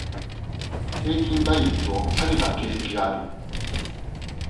平均倍率を下げた形跡がある。